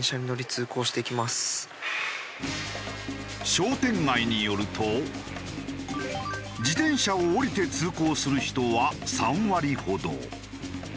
商店街によると自転車を降りて通行する人は３割ほど。